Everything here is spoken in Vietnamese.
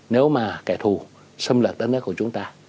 nếu mà kẻ thù xâm lược đất nước của chúng ta